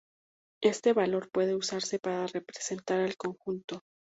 Este valor puede usarse para representar al conjunto.